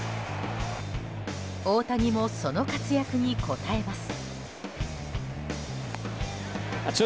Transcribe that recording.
大谷も、その活躍に応えます。